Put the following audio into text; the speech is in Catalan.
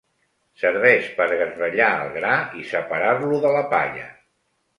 Serveix per garbellar el gra i separar-lo de la palla.